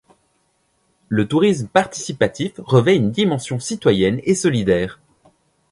Le tourisme participatif revêt une dimension citoyenne et solidaire.